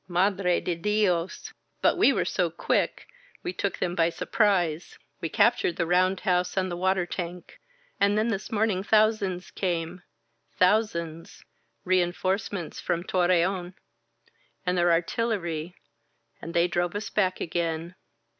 Madre de DiosI But we were so quick — ^we took them by sur 814 THE ARTILLERY COMES UP prise. We captured the roundhouse and the water tank. And then this morning thousands came — thou sands — reinforcements from Torreon — and their artil lery — and they drove us back again.